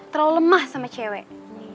terlalu lemah sama cewek